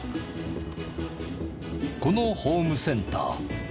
このホームセンター。